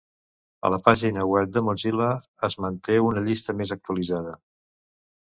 A la pàgina web de Mozilla es manté una llista més actualitzada.